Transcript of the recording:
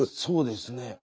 そうですね。